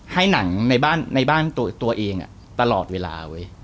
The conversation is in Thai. ให้หนังในบ้านตัวเองตลอดเวลาเว้ย